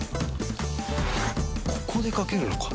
ここでかけるのか